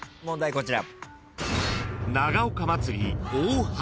こちら。